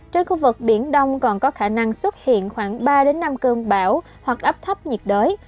trên khu vực biển đông còn có khả năng xuất hiện khoảng ba năm cơn bão hoặc áp thấp nhiệt đới